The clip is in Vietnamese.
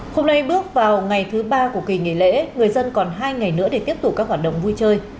hôm nay bước vào ngày thứ ba của kỳ nghỉ lễ người dân còn hai ngày nữa để tiếp tục các hoạt động vui chơi